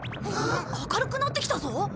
明るくなってきたぞ。